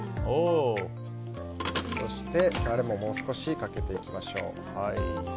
そして、タレもかけていきましょう。